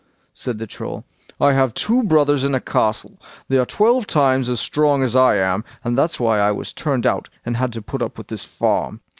said the Troll, "I have two brothers in a castle; they are twelve times as strong as I am, and that's why I was turned out and had to put up with this farm.